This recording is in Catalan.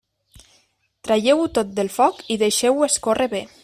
Traieu-ho tot del foc i deixeu-ho escórrer bé.